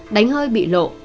đánh hơi bị lộ